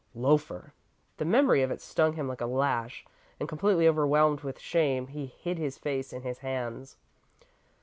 "Loafer!" The memory of it stung him like a lash, and, completely overwhelmed with shame, he hid his face in his hands.